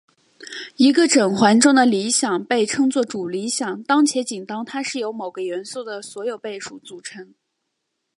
一个整环中的理想被称作主理想当且仅当它是由某个元素的所有倍数组成。